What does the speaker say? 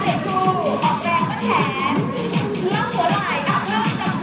นี่คือว่ามันเจอกันเดียวนะคะเดี๋ยวทุกคน